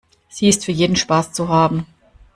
Sie ist für jeden Spaß zu haben.